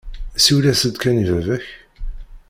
Siwel-as-d kan i baba-k.